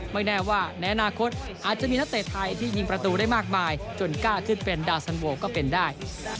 ไม่แน่ว่าในอนาคตอาจจะมีนักเตะไทยที่ยิงประตูได้มากมายจนกล้าขึ้นเป็นดาวสันโวก็เป็นได้